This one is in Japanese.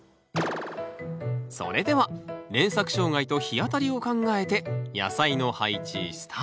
それでは連作障害と日当たりを考えて野菜の配置スタート！